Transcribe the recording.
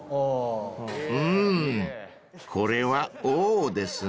［うんこれは「お」ですね］